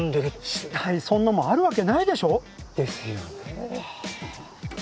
そんなもんあるわけないでしょ！ですよね。